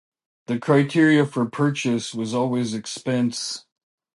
The criteria for purchase was always expense.